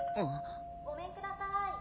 ・・ごめんくださーい。